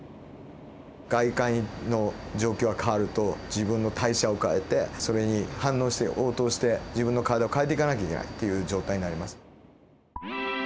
外界の状況が変わると自分の代謝を変えてそれに反応して応答して自分の体を変えていかなきゃいけないっていう状態になります。